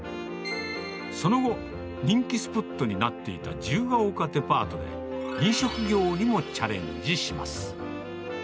その後、人気スポットになっていた自由が丘デパートで、飲食業にもチャレンジします。